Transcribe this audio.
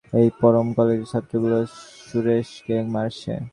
এই পরম, কলেজের ছাত্রগুলো সুরেশকে মারছে।